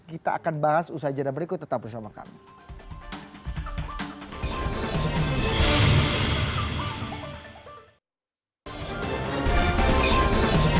kita akan bahas usaha jadwal berikut tetap bersama kami